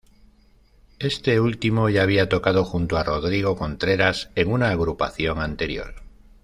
Este último ya había tocado junto a Rodrigo Contreras en una agrupación anterior.